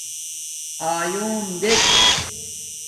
آیݸم دیکھ